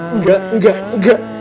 enggak enggak enggak